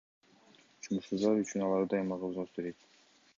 Жумушсуздар үчүн алардын аймагы взнос төлөйт.